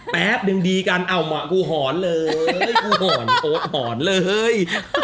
แป๊บนึงดีกันเอามากูหอนเลย